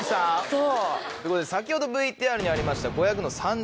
そう。ということで先ほどＶＴＲにありました。